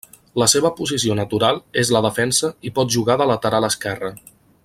La seva posició natural és la de defensa i pot jugar de lateral esquerre.